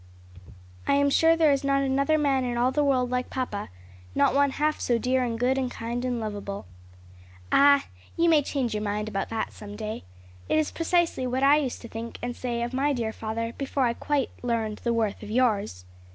"I am sure there is not another man in all the world like papa; not one half so dear and good and kind and lovable." "Ah, you may change your mind about that some day. It is precisely what I used to think and say of my dear father, before I quite learned the worth of yours."